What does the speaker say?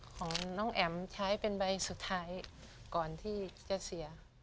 ของน้องแอ๋มใช้เป็นใบสุดท้ายก่อนที่จะเสีย